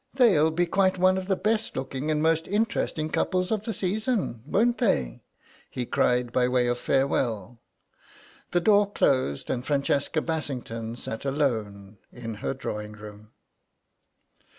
"They'll be quite one of the best looking and most interesting couples of the Season, won't they?" he cried, by way of farewell. The door closed and Francesca Bassington sat alone in her drawing room.